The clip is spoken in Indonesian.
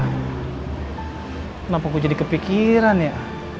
kenapa kok jadi kepikiran ya